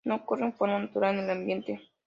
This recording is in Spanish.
No ocurre en forma natural en el ambiente.